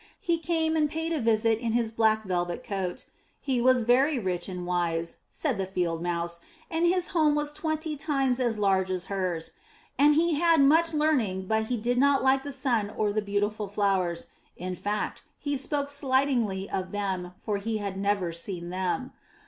He came and paid a visit in his black velvet coat. He was very rich and wise, said the Field Mouse, and his home was twenty times as large as hers; and he had much learning but he did not like the sun or the beautiful flowers; in fact he spoke slightingly of them for he had never seen them.